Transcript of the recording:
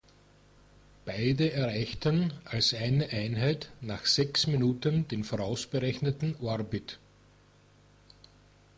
Beide erreichten als eine Einheit nach sechs Minuten den vorausberechneten Orbit.